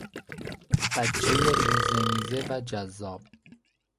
بچهی ریزه میزه و جذاب